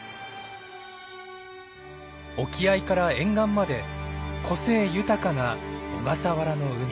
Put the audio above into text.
沖合から沿岸まで個性豊かな小笠原の海。